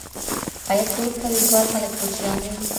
آیا ټول کلیوال خلګ کوچیان دي؟